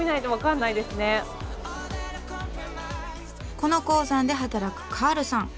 この鉱山で働くカールさん。